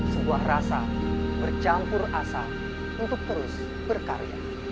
sebuah rasa bercampur asa untuk terus berkarya